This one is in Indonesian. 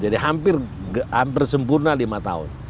jadi hampir hampir sempurna lima tahun